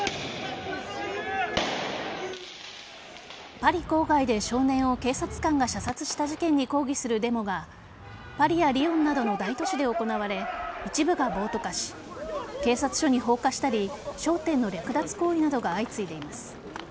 パリ郊外で、少年を警察官が射殺した事件に抗議するデモがパリやリヨンなどの大都市で行われ一部が暴徒化し警察署に放火したり商店の略奪行為などが相次いでいます。